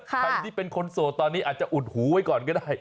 ใครที่เป็นคนโสดตอนนี้อาจจะอุดหูไว้ก่อนก็ได้